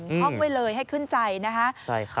ห้องไว้เลยให้ขึ้นใจนะคะ